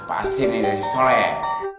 pastiin ini dari soleh